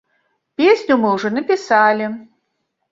Песню мы ўжо напісалі.